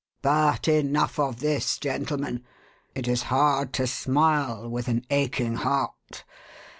"But enough of this, gentlemen. It is hard to smile with an aching heart.